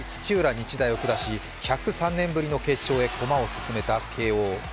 日大を下し１０３年ぶりの決勝へ駒を進めた慶応。